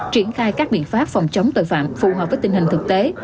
triển khai các biện pháp phòng chống tội phạm phù hợp với tình hình thực tế